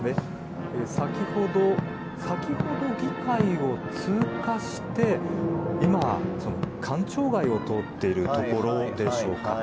先程、議会を通過して今官庁街を通っているところでしょうか。